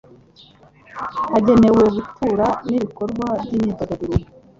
hagenewe gutura n'ibikorwa by'imyidagaduro.